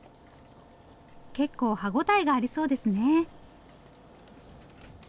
結構歯応えがありそうですね。